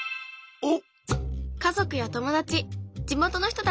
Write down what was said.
おっ！